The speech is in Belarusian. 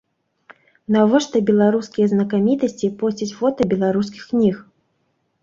Навошта беларускія знакамітасці посцяць фота беларускіх кніг?